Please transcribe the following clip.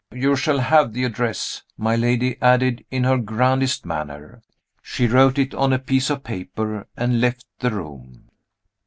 "You shall have the address," my lady added in her grandest manner. She wrote it on a piece of paper, and left the room.